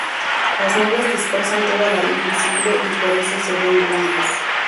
Las nubes dispersan toda la luz visible y por eso se ven blancas.